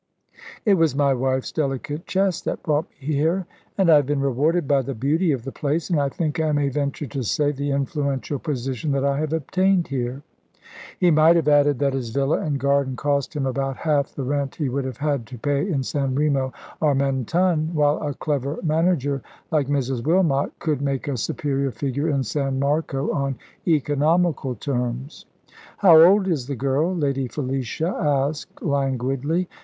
It was my wife's delicate chest that brought me here, and I have been rewarded by the beauty of the place and, I think I may venture to say, the influential position that I have obtained here." He might have added that his villa and garden cost him about half the rent he would have had to pay in San Remo or Mentone, while a clever manager like Mrs. Wilmot could make a superior figure in San Marco on economical terms. "How old is the girl?" Lady Felicia asked languidly.